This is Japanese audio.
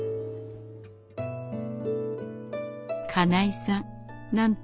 金井さん